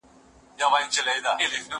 زه به اوږده موده ليک لوستی وم!.